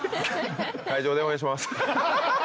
会場でおうえんします」。